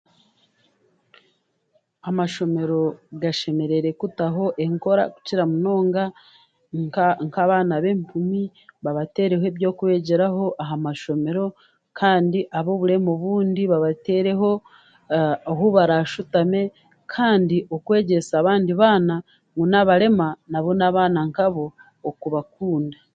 Amashomero gashemereire kutaho enkora kukira munonga nk'abaana b'empumi babatereho eby'okwegyeraho aha mashomero kandi ab'oburema obundi babatereho ahi barashitame kandi okwegyesa abaandi baana ngu n'abarema nabo nabaana nk'abo okubakunda.